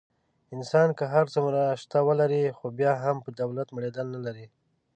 انسان که هر څومره شته ولري. خو بیا هم په دولت مړېدل نه لري.